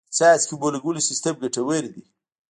د څاڅکي اوبو لګولو سیستم ګټور دی.